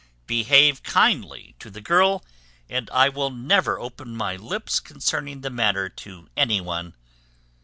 Behave kindly to the girl, and I will never open my lips concerning the matter to any one.